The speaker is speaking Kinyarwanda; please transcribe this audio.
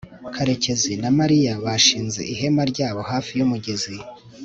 karekezi na mariya bashinze ihema ryabo hafi y'umugezi